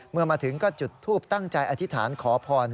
เมื่อมาถึงก็จุดทูปตั้งใจอธิษฐานขอพร